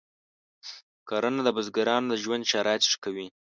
کرنه د بزګرانو د ژوند شرایط ښه کوي.